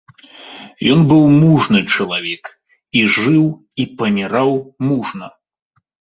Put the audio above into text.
Ён быў мужны чалавек, і жыў, і паміраў мужна.